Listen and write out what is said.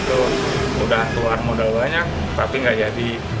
disitu udah keluar modal banyak tapi gak jadi